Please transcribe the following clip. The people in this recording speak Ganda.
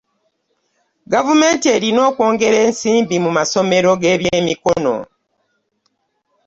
Gavumenti erina okwongera ensimbi mu masomero g'ebyemikono.